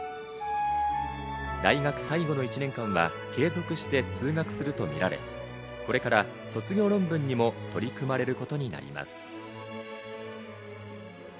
大学最後の１年間は継続して通学するとみられ、これから卒業論文にも取り組まれることになります。